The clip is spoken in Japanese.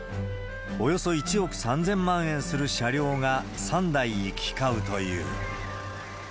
およそ１億３０００万円する車両が３台行き交うという。